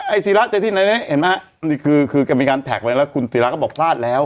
ไอ้สีระจะที่ไหนไอ้คุณแกมีการแท็คไปแล้วคุณสีระบอกปล้าดแล้ว